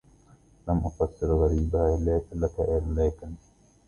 لم أفسر غريبها لك لكن